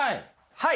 はい。